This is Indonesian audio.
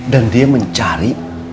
dan dia mencari